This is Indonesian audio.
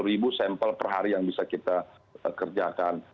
ini adalah perhari yang bisa kita kerjakan